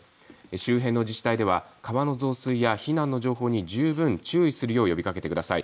周辺の自治体では川の増水や避難の情報に十分注意するよう呼びかけてください。